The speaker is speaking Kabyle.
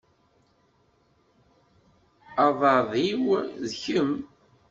Aḍad-iw d kemm.